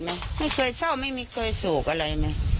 ไม่เคยเศร้าไม่เคยสูกอะไร